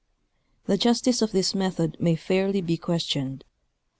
The justice of this method may fairly be questioned.